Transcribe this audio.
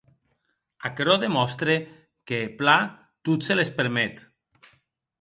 Aquerò demòstre que, plan, tot se les permet.